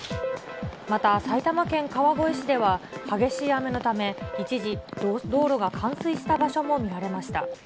また埼玉県川越市では、激しい雨のため、一時、道路が冠水した場所も見られました。